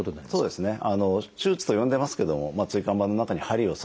そうですね